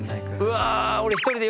うわ！